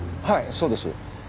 そうですか？